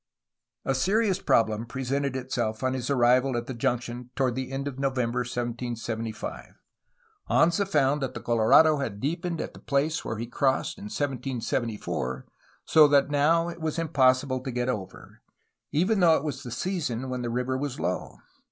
A serious problem presented itself on his arrival at the junction toward the end of November 1775. Anza found that the Colorado had deepened at the place where he crossed in 1774, so that now it was impossible to get over, even though it was the season when the river was low.